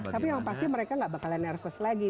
tapi yang pasti mereka gak bakalan nervous lagi